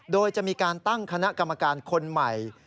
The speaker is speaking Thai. โดยจะมีการตั้งคณะกรรมการคนใหม่